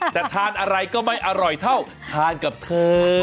แต่ทานอะไรก็ไม่อร่อยเท่าทานกับเธอ